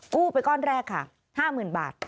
กู้ไปก้อนแรกค่ะ๕๐๐๐บาท